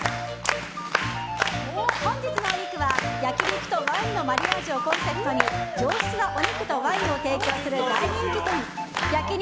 本日のお肉は焼き肉とワインのマリアージュをコンセプトに上質なお肉とワインを提供する大人気店焼肉